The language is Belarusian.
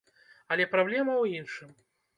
Але праблема ў іншым.